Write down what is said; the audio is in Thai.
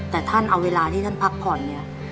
แต่ท่านเอาเวลาที่ท่านพักผ่อนเนี่ย